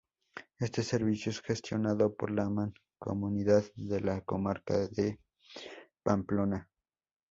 Este servicio es gestionado por la Mancomunidad de la Comarca de Pamplona.